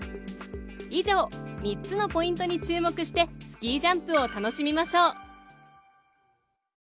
以上、３つのポイントに注目して、スキージャンプを楽しみましょう。